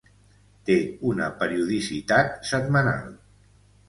Té una periodicitat setmanal.